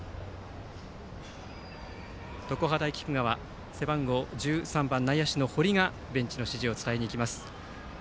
常葉大菊川、背番号１３番内野手の堀がベンチの指示を伝えに行きました。